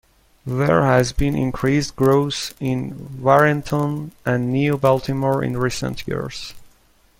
There has been increased growth in Warrenton and New Baltimore in recent years.